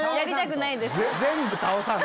全部倒さな。